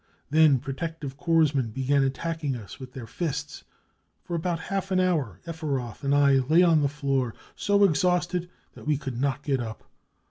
Then protective corps men began attacking us with their fists. For about half an houj: Efferoth and I l asLon the floor, so exhausted that we could not get up.